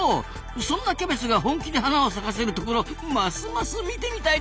そんなキャベツが本気で花を咲かせるところますます見てみたいですなあ。